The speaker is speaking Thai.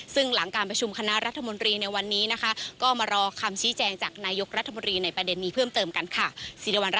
ซึ่งหลังการประชุมคณะรัฐมนตรีในวันนี้นะคะก็มารอคำชี้แจงจากนายกรัฐมนตรีในประเด็นนี้เพิ่มเติมกันค่ะ